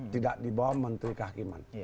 tidak dibawa menteri kehakiman